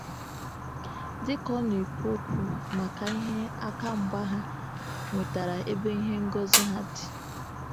Dịka ọ na-ekwu okwu maka ihe aka mgba ha nwetara ebe ihe ngosi ahụ dị